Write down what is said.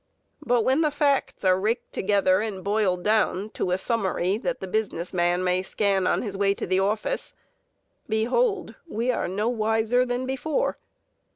But when the facts are raked together and boiled down to a summary that the business man may scan on his way to the office, behold! we are no wiser than before.